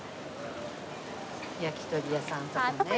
焼き鳥屋さんとかね。